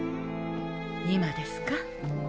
今ですか？